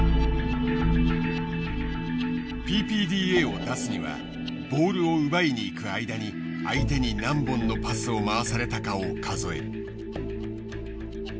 ＰＰＤＡを出すにはボールを奪いに行く間に相手に何本のパスを回されたかを数える。